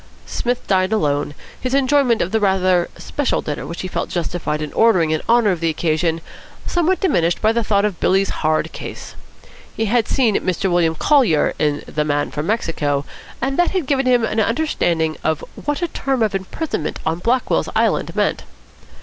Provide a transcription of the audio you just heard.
Psmith dined alone, his enjoyment of the rather special dinner which he felt justified in ordering in honour of the occasion somewhat diminished by the thought of Billy's hard case. He had seen Mr William Collier in The Man from Mexico, and that had given him an understanding of what a term of imprisonment on Blackwell's Island meant.